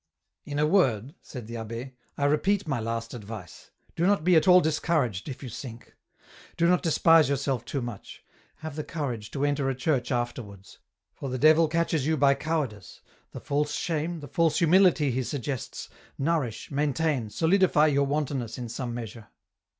"In a word," said the abbe, "I repeat my last advice: do not be at all discouraged if you sink. Do not despise yourself too much; have the courage to enter a church afterwards; for the devil catches you by cowardice, the false shame, the false humility he suggests, nourish, maintain, solidify your wantonness in some measure.